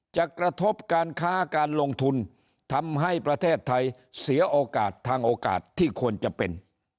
กระทบการค้าการลงทุนทำให้ประเทศไทยเสียโอกาสทางโอกาสที่ควรจะเป็น